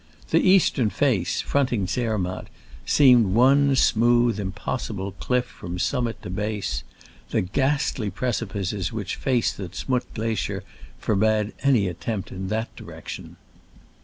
The eastern face, fronting Zermatt, seemed one smooth, impossible cliff from summit to base : the ghastly preci pices which face the Z'Mutt glacier for bade any attempt in that direction.